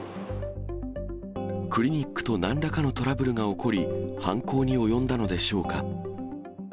クリニックとなんらかのトラブルが起こり、犯行に及んだのでしょうか。